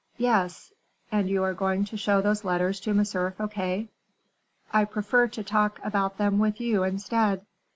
"Yes." "And you are going to show those letters to M. Fouquet?" "I prefer to talk about them with you, instead."